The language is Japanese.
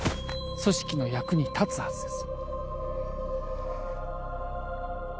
組織の役に立つはずです